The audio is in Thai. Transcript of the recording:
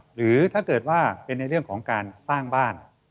หรือถ้าเกิดว่าเป็นในเรื่องของการสร้างบ้าน